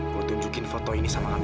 gua tunjukin foto ini sama hamil kamu